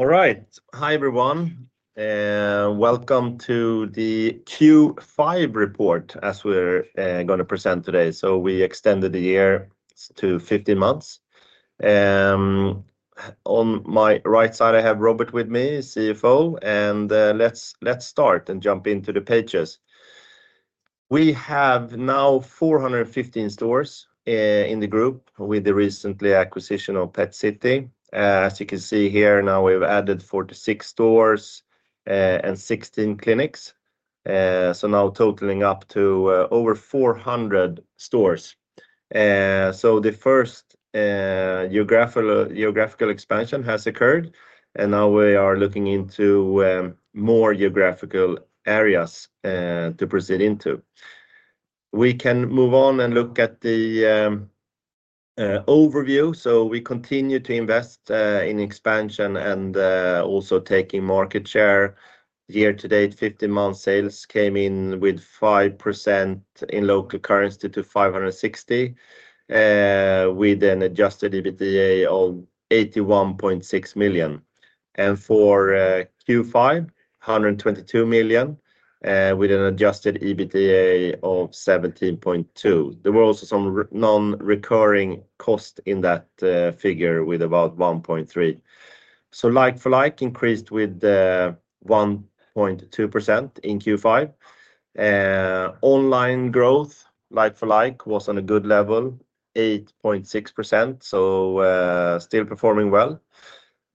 All right, hi everyone, and welcome to the Q5 report as we're going to present today. We extended the year to 15 months. On my right side, I have Robert with me, CFO, and let's start and jump into the pages. We have now 415 stores in the group with the recent acquisition of Pet City. As you can see here, now we've added 46 stores and 16 clinics, so now totaling up to over 400 stores. The first geographical expansion has occurred, and now we are looking into more geographical areas to proceed into. We can move on and look at the overview. We continue to invest in expansion and also taking market share. Year-to-date, 15-month sales came in with 5% in local currency to 560 million, with an adjusted EBITDA of 81.6 million. For Q5, 122 million with an adjusted EBITDA of 17.2 million. There were also some non-recurring costs in that figure with about 1.3 million, so like-for-like increased with 1.2% in Q5. Online growth, like-for-like, was on a good level, 8.6%, so still performing well,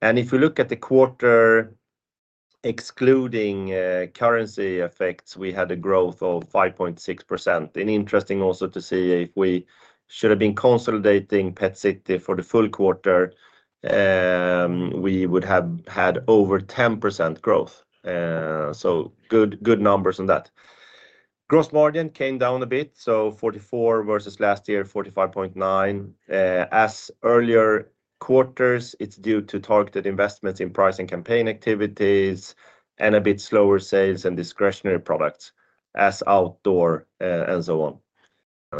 and if we look at the quarter excluding currency effects, we had a growth of 5.6%. Interesting also to see if we should have been consolidating Pet City for the full quarter, we would have had over 10% growth, so good numbers on that. Gross margin came down a bit, so 44% versus last year, 45.9%. As earlier quarters, it's due to targeted investments in pricing campaign activities and a bit slower sales and discretionary products as outdoor and so on.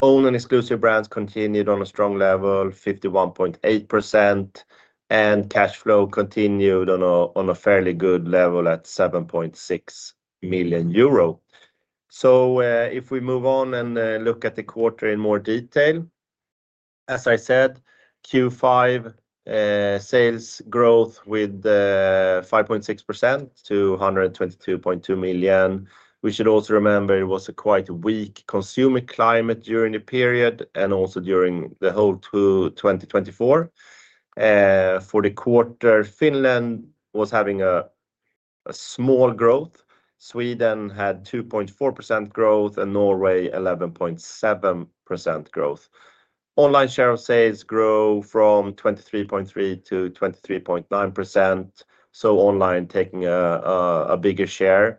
Own and exclusive brands continued on a strong level, 51.8%, and cash flow continued on a fairly good level at 7.6 million euro. So if we move on and look at the quarter in more detail, as I said, Q5 sales growth with 5.6% to 122.2 million. We should also remember it was a quite weak consumer climate during the period and also during the whole 2024. For the quarter, Finland was having a small growth. Sweden had 2.4% growth and Norway 11.7% growth. Online share of sales grew from 23.3% to 23.9%, so online taking a bigger share.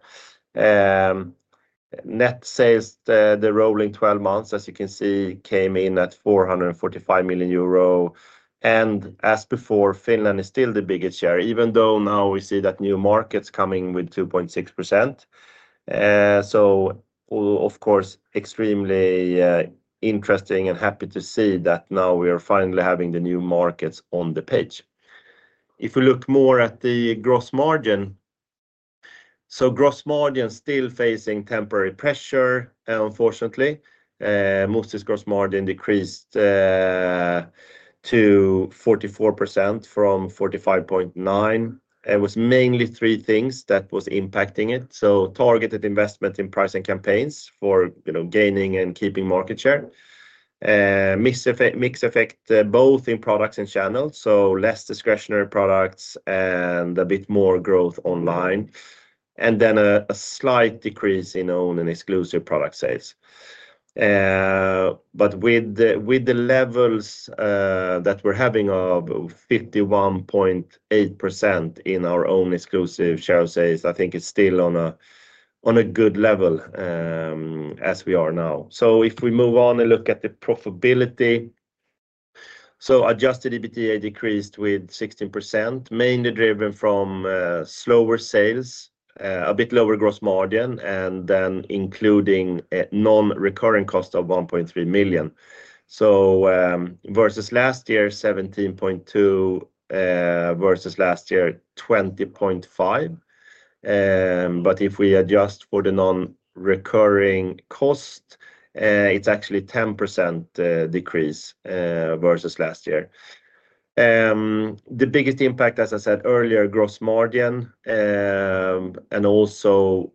Net sales, the rolling 12 months, as you can see, came in at 445 million euro. And as before, Finland is still the biggest share, even though now we see that new markets coming with 2.6%. So of course, extremely interesting and happy to see that now we are finally having the new markets on the page. If we look more at the gross margin, so gross margin still facing temporary pressure, unfortunately. Musti's gross margin decreased to 44% from 45.9%. It was mainly three things that were impacting it, so targeted investments in pricing campaigns for gaining and keeping market share, mixed effect both in products and channels, so less discretionary products and a bit more growth online, and then a slight decrease in own and exclusive product sales, but with the levels that we're having of 51.8% in our own exclusive share of sales, I think it's still on a good level as we are now, so if we move on and look at the profitability, so adjusted EBITDA decreased with 16%, mainly driven from slower sales, a bit lower gross margin, and then including a non-recurring cost of 1.3 million, so versus last year 17.2 million versus last year 20.5 million, but if we adjust for the non-recurring cost, it's actually a 10% decrease versus last year. The biggest impact, as I said earlier, gross margin, and also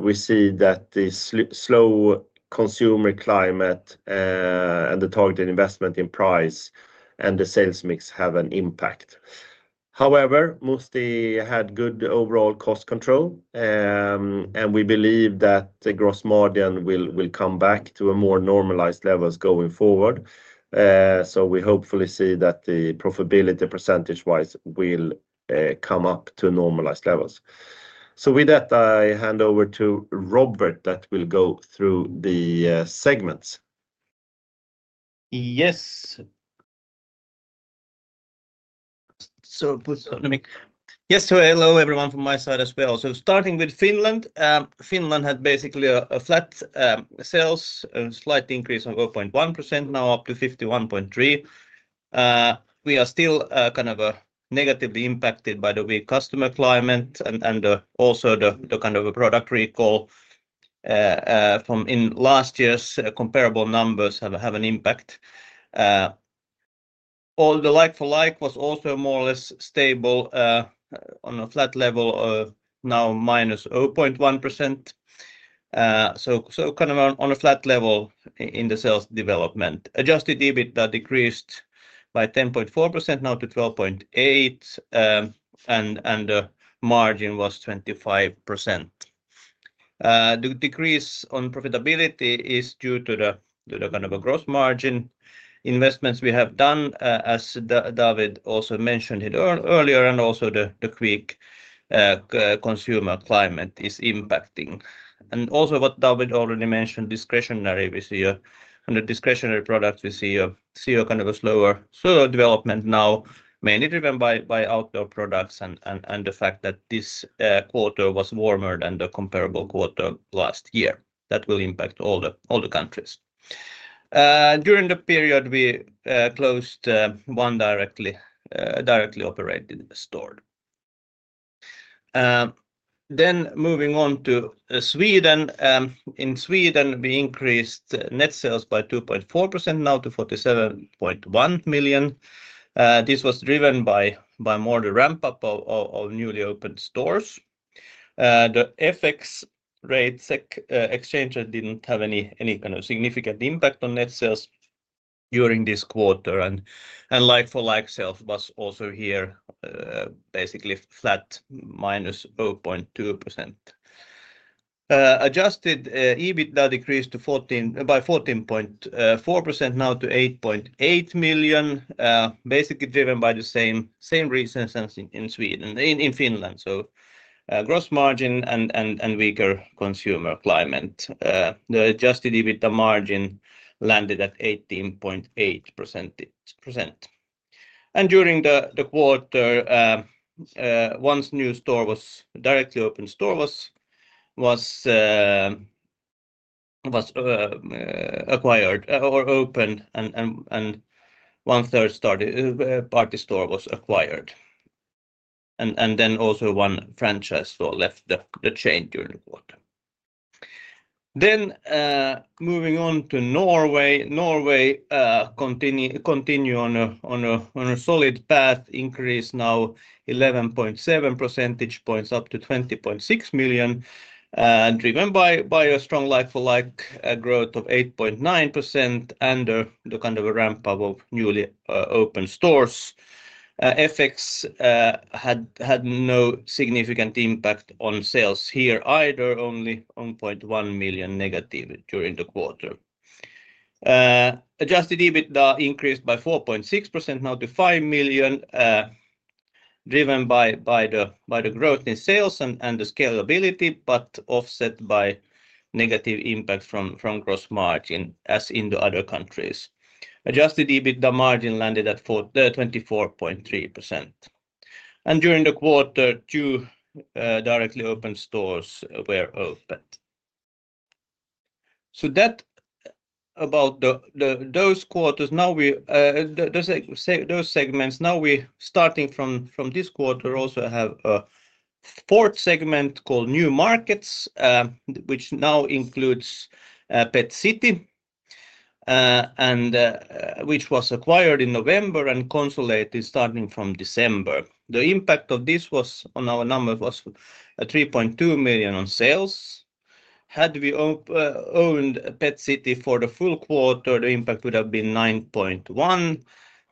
we see that the slow consumer climate and the targeted investment in price and the sales mix have an impact. However, Musti had good overall cost control, and we believe that the gross margin will come back to more normalized levels going forward. So we hopefully see that the profitability percentage-wise will come up to normalized levels. So with that, I hand over to Robert that will go through the segments. Yes. So hello everyone from my side as well. So starting with Finland, Finland had basically a flat sales, a slight increase of 0.1%, now up to 51.3 million. We are still kind of negatively impacted by the weak customer climate and also the kind of product recall from last year's comparable numbers have an impact. All the like-for-like was also more or less stable on a flat level, now -0.1%. So kind of on a flat level in the development. Adjusted EBITDA decreased by 10.4%, now to 12.8 million, and the margin was 25%. The decrease on profitability is due to the kind of gross margin investments we have done, as David also mentioned earlier, and also the weak consumer climate is impacting. Also what David already mentioned, discretionary products, we see a kind of slower development now, mainly driven by outdoor products and the fact that this quarter was warmer than the comparable quarter last year. That will impact all the countries. During the period, we closed one directly operated store. Moving on to Sweden, in Sweden we increased net sales by 2.4%, now to 47.1 million. This was driven by more the ramp-up of newly opened stores. The FX rate exchange didn't have any kind of significant impact on net sales during this quarter, and like-for-like sales was also here basically flat, -0.2%. Adjusted EBITDA decreased by 14.4%, now to 8.8 million, basically driven by the same reasons as in Finland. Gross margin and weaker consumer climate. The adjusted EBITDA margin landed at 18.8%. During the quarter, one new store was directly opened, store was acquired or opened, and one third party store was acquired. Then also one franchise store left the chain during the quarter. Moving on to Norway, Norway continued on a solid path, increased now 11.7 percentage points up to 20.6 million, driven by a strong like-for-like growth of 8.9% and the kind of ramp-up of newly opened stores. FX had no significant impact on sales here either, only -1.1 million during quarter. Adjusted EBITDA increased by 4.6%, now to EUR 5 million, driven by the growth in sales and the scalability, but offset by negative impact from gross margin as in the countries. Adjusted EBITDA margin landed at 24.3%. During the quarter, two directly opened stores were opened. So, about those quarters. Now those segments. Now, starting from this quarter, we also have a fourth segment called new markets, which now includes Pet City, which was acquired in November and consolidated starting from December. The impact of this was on our number was 3.2 million on sales. Had we owned Pet City for the full quarter, the impact would have been 9.1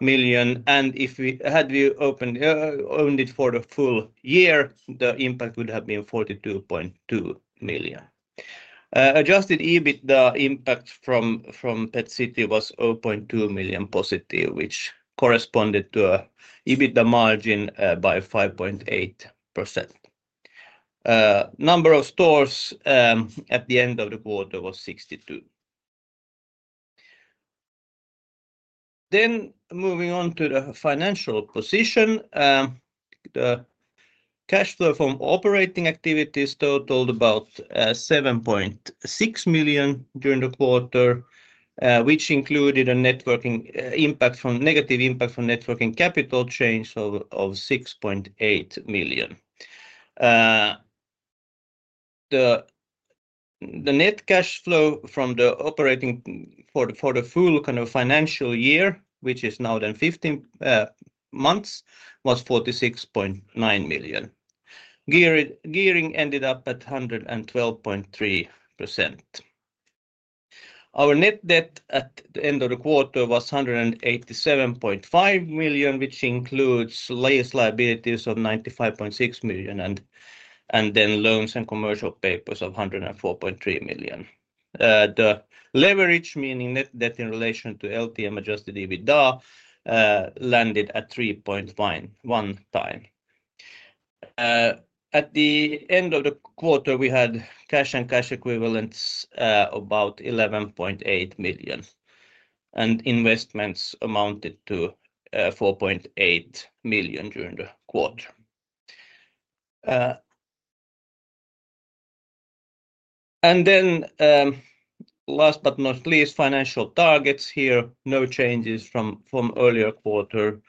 million. And if we had owned it for the full year, the impact would have been 42.2 million. Adjusted EBITDA impact from Pet City was 0.2 million positive, which corresponded to EBITDA margin by 5.8%. Number of stores at the end of the quarter was 62. Then, moving on to the financial position, the cash flow from operating activities totaled about 7.6 million during the quarter, which included a negative impact from net working capital change of 6.8 million. The net cash flow from the operating for the full kind of financial year, which is now then 15 months, was 46.9 million. Gearing ended up at 112.3%. Our net debt at the end of the quarter was 187.5 million, which includes lease liabilities of 95.6 million and then loans and commercial papers of 104.3 million. The leverage, meaning net debt in relation to LTM adjusted EBITDA, landed at 3.1x. At the end of the quarter, we had cash and cash equivalents about 11.8 million. And investments amounted to 4.8 million during the quarter. And then last but not least, financial targets here, no changes from earlier quarter.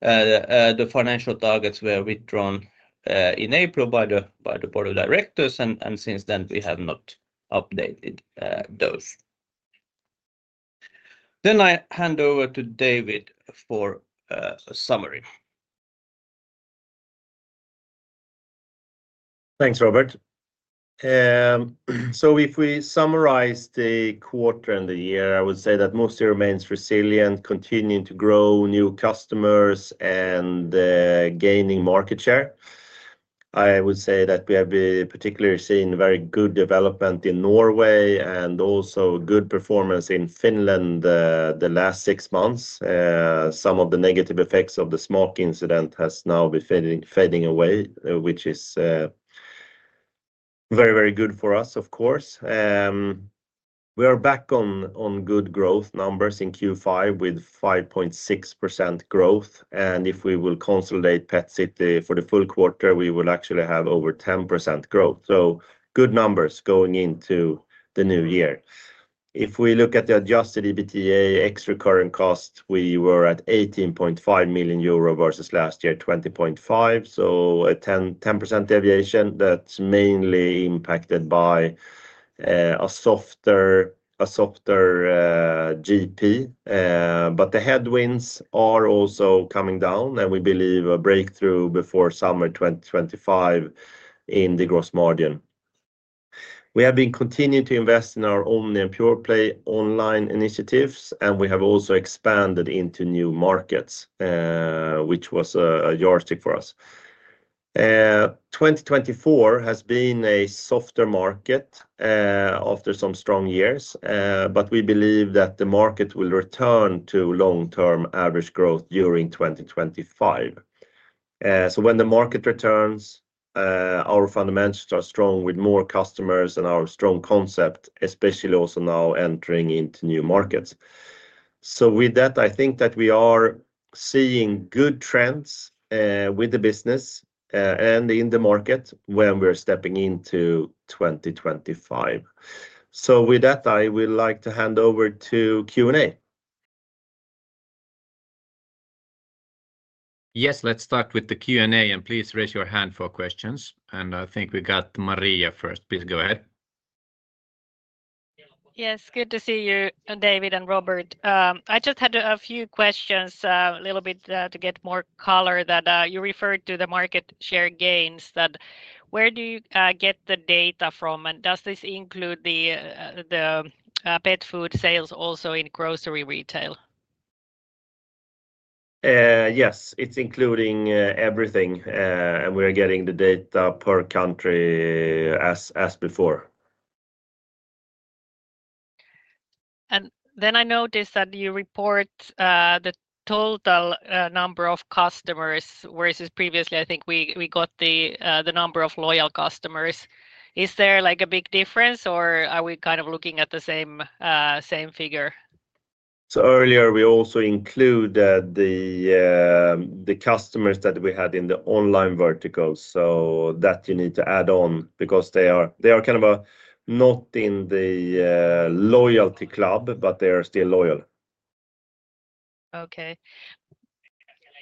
The financial targets were withdrawn in April by the board of directors, and since then we have not updated those. Then I hand over to David for a summary. Thanks, Robert. So if we summarize the quarter and the year, I would say that Musti remains resilient, continuing to grow new customers and gaining market share. I would say that we have particularly seen very good development in Norway and also good performance in Finland the last six months. Some of the negative effects of the Smaak incident have now been fading away, which is very, very good for us, of course. We are back on good growth numbers in Q5 with 5.6% growth. And if we will consolidate Pet City for the full quarter, we will actually have over 10% growth. So good numbers going into the new year. If we look at the adjusted EBITDA ex-current cost, we were at 18.5 million euro versus last year, 20.5 million. So a 10% deviation that's mainly impacted by a softer GP. But the headwinds are also coming down, and we believe a breakthrough before summer 2025 in the gross margin. We have been continuing to invest in our omni and pure play online initiatives, and we have also expanded into new markets, which was a yardstick for us. 2024 has been a softer market after some strong years, but we believe that the market will return to long-term average growth during 2025. So when the market returns, our fundamentals are strong with more customers and our strong concept, especially also now entering into new markets. So with that, I think that we are seeing good trends with the business and in the market when we are stepping into 2025. So with that, I would like to hand over to Q&A. Yes, let's start with the Q&A, and please raise your hand for questions, and I think we got Maria first. Please go ahead. Yes, good to see you, David and Robert. I just had a few questions, a little bit to get more color that you referred to the market share gains. Where do you get the data from, and does this include the pet food sales also in grocery retail? Yes, it's including everything, and we are getting the data per country as before. Then I noticed that you report the total number of customers versus previously, I think we got the number of loyal customers. Is there like a big difference, or are we kind of looking at the same figure? So earlier we also included the customers that we had in the online verticals, so that you need to add on because they are kind of not in the loyalty club, but they are still loyal. Okay.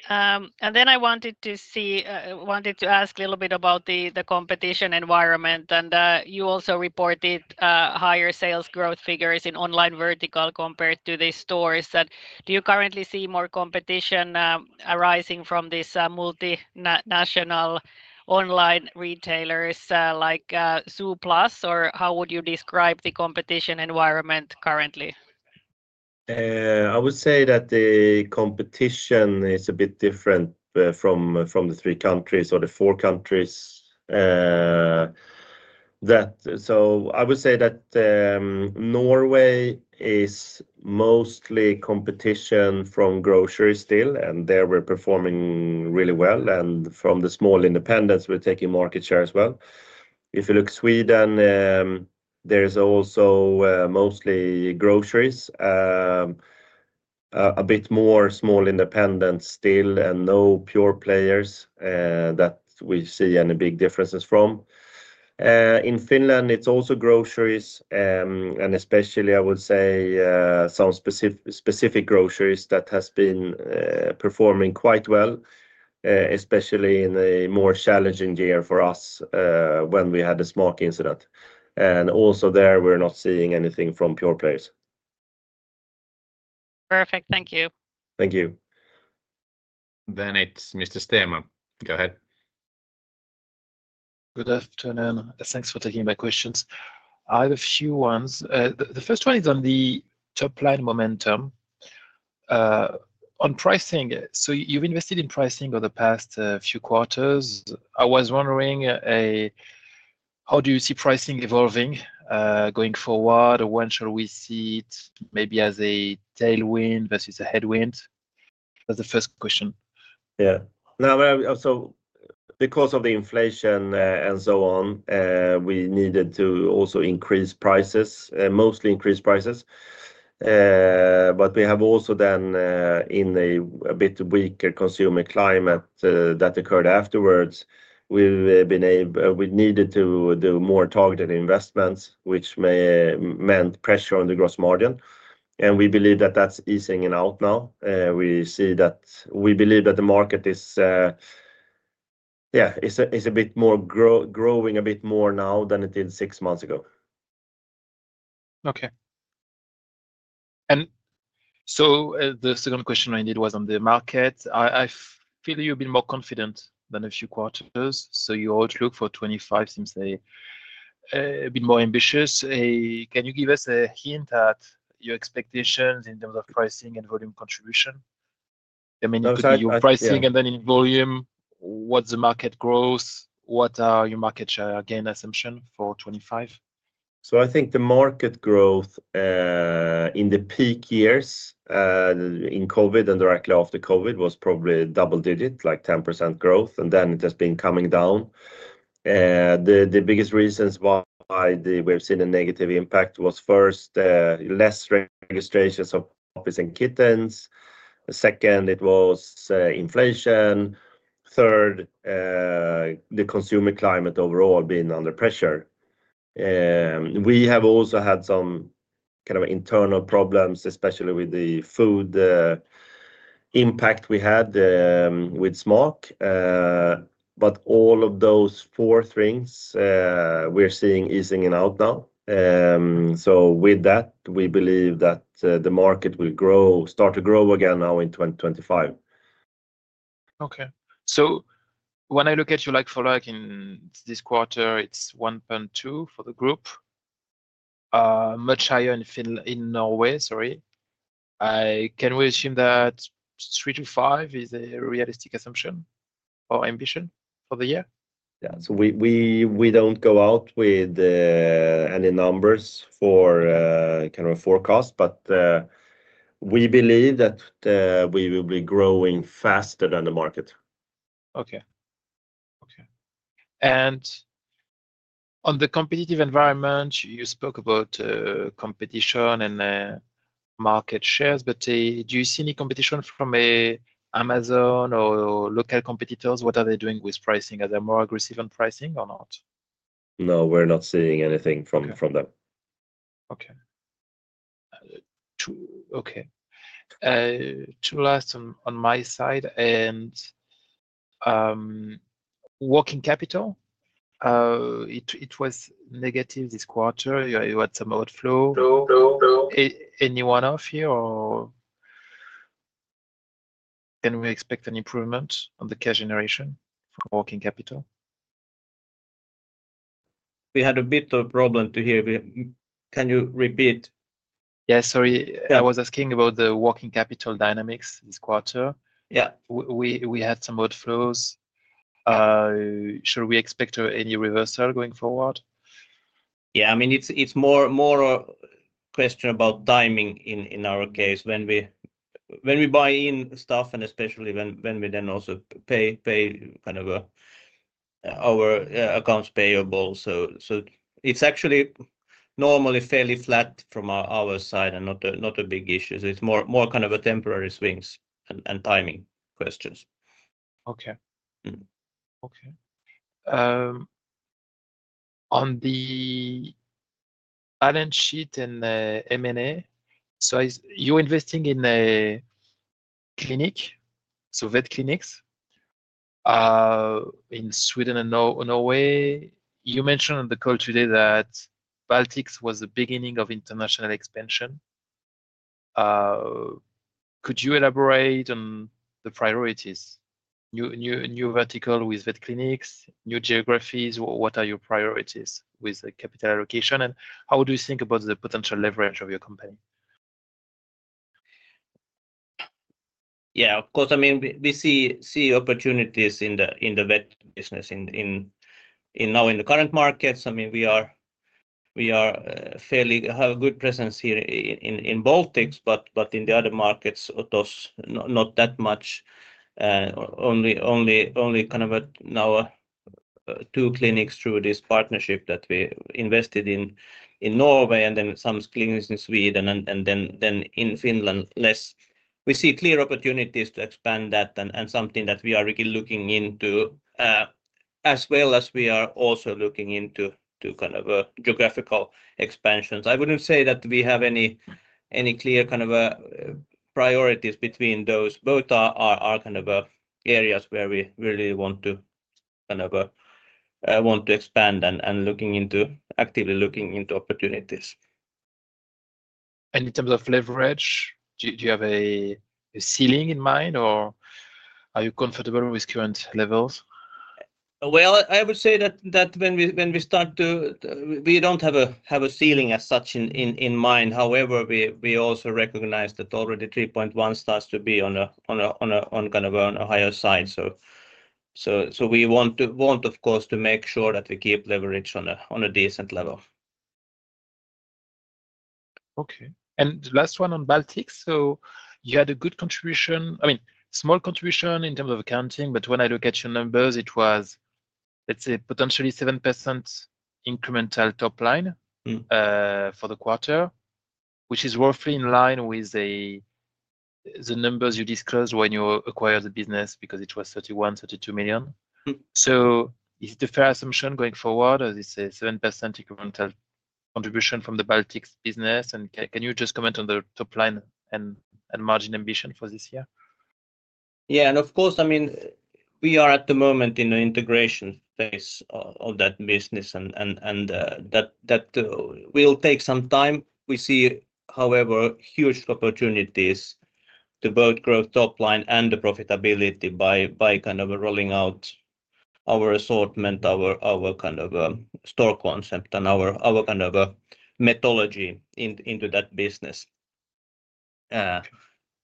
And then I wanted to ask a little bit about the competition environment, and you also reported higher sales growth figures in online vertical compared to the stores. Do you currently see more competition arising from these multinational online retailers like Zooplus, or how would you describe the competition environment currently? I would say that the competition is a bit different from the three countries or the four countries. So I would say that Norway is mostly competition from grocery still, and there we're performing really well, and from the small independents, we're taking market share as well. If you look at Sweden, there is also mostly groceries, a bit more small independents still, and no pure players that we see any big differences from. In Finland, it's also groceries, and especially I would say some specific groceries that have been performing quite well, especially in a more challenging year for us when we had the Smaak incident. And also there we're not seeing anything from pure players. Perfect. Thank you. Thank you. Then it's Mr. Stema. Go ahead. Good afternoon. Thanks for taking my questions. I have a few ones. The first one is on the top line momentum. On pricing, so you've invested in pricing over the past few quarters. I was wondering, how do you see pricing evolving going forward, or when shall we see it maybe as a tailwind versus a headwind? That's the first question. Yeah. So because of the inflation and so on, we needed to also increase prices, mostly increase prices. But we have also then in a bit weaker consumer climate that occurred afterwards, we needed to do more targeted investments, which meant pressure on the gross margin. And we believe that that's easing out now. We see that we believe that the market is, yeah, it's a bit more growing a bit more now than it did six months ago. Okay. And so the second question I did was on the market. I feel you've been more confident than a few quarters. So you always look for 2025 seems a bit more ambitious. Can you give us a hint at your expectations in terms of pricing and volume contribution? I mean, your pricing and then in volume, what's the market growth? What are your market share gain assumption for 2025? So I think the market growth in the peak years in COVID and directly after COVID was probably double-digit, like 10% growth, and then it has been coming down. The biggest reasons why we've seen a negative impact was first, less registrations of puppies and kittens. Second, it was inflation. Third, the consumer climate overall being under pressure. We have also had some kind of internal problems, especially with the food impact we had with Smaak. But all of those four things we're seeing easing out now. So with that, we believe that the market will start to grow again now in 2025. Okay. So when I look at your like-for-like in this quarter, it's 1.2% for the group, much higher in Norway, sorry. Can we assume that 3%-5% is a realistic assumption or ambition for the year? Yeah. So we don't go out with any numbers for kind of a forecast, but we believe that we will be growing faster than the market. And on the competitive environment, you spoke about competition and market shares, but do you see any competition from Amazon or local competitors? What are they doing with pricing? Are they more aggressive on pricing or not? No, we're not seeing anything from them. Okay. Two last on my side. And working capital, it was negative this quarter. You had some outflow. Anyone of you, or can we expect an improvement on the cash generation from working capital? We had a bit of a problem to hear. Can you repeat? Yeah, sorry. I was asking about the working capital dynamics this quarter. We had some outflows. Should we expect any reversal going forward? Yeah. I mean, it's more a question about timing in our case. When we buy in stuff, and especially when we then also pay kind of our accounts payable. So it's actually normally fairly flat from our side and not a big issue. So it's more kind of temporary swings and timing questions. Okay. On the balance sheet and M&A, so you're investing in clinics, so vet clinics in Sweden and Norway. You mentioned on the call today that Baltics was the beginning of international expansion. Could you elaborate on the priorities? New vertical with vet clinics, new geographies, what are your priorities with capital allocation, and how do you think about the potential leverage of your company? Yeah, of course. I mean, we see opportunities in the vet business now in the current markets. I mean, we have a good presence here in Baltics, but in the other markets, not that much. Only kind of now two clinics through this partnership that we invested in Norway and then some clinics in Sweden and then in Finland less. We see clear opportunities to expand that and something that we are really looking into as well as we are also looking into kind of geographical expansions. I wouldn't say that we have any clear kind of priorities between those. Both are kind of areas where we really want to kind of expand and actively looking into opportunities. In terms of leverage, do you have a ceiling in mind, or are you comfortable with current levels? I would say that when we start to, we don't have a ceiling as such in mind. However, we also recognize that already 3.1x starts to be on kind of a higher side. We want, of course, to make sure that we keep leverage on a decent level. Okay, and the last one on Baltics. So, you had a good contribution, I mean, small contribution in terms of accounting, but when I look at your numbers, it was, let's say, potentially 7% incremental top line for the quarter, which is roughly in line with the numbers you disclosed when you acquired the business because it was 31 million-32 million. So, is it a fair assumption going forward, as you say, 7% incremental contribution from the Baltics business? And can you just comment on the top line and margin ambition for this year? Yeah, and of course, I mean, we are at the moment in the integration phase of that business, and that will take some time. We see, however, huge opportunities to both grow top line and the profitability by kind of rolling out our assortment, our kind of store concept, and our kind of methodology into that business.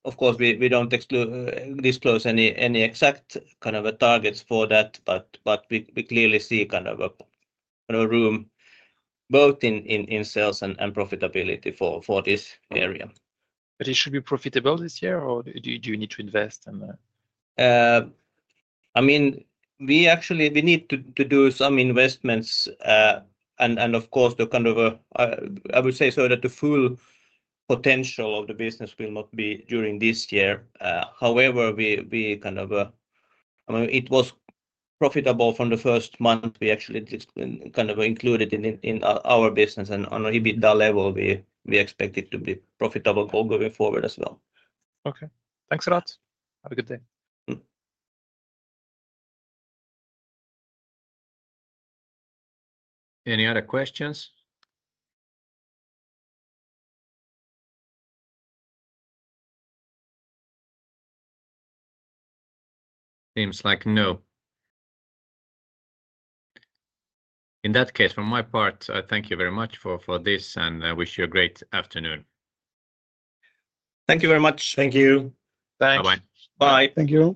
Of course, we don't disclose any exact kind of targets for that, but we clearly see kind of a room both in sales and profitability for this area. But it should be profitable this year, or do you need to invest? I mean, we actually need to do some investments, and of course, the kind of, I would say, so that the full potential of the business will not be during this year. However, we kind of, I mean, it was profitable from the first month we actually kind of included in our business, and on an EBITDA level, we expect it to be profitable going forward as well. Okay. Thanks a lot. Have a good day. Any other questions? Seems like no. In that case, from my part, I thank you very much for this, and I wish you a great afternoon. Thank you very much. Thank you. Bye-bye. Bye. Thank you.